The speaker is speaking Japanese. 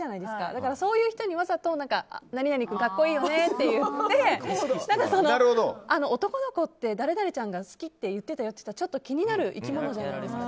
だからそういう人にわざと何々君、格好いいよねって言って男の子って誰々ちゃんが好きって言ってたよっていうのがちょっと気になる生き物じゃないですか。